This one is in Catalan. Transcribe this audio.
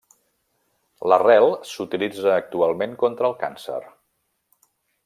L'arrel s'utilitza actualment contra el càncer.